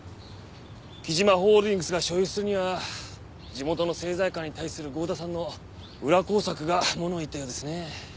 貴島ホールディングスが所有するには地元の政財界に対する合田さんの裏工作が物を言ったようですねえ。